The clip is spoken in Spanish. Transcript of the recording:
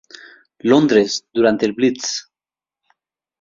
Londres, durante el Blitz.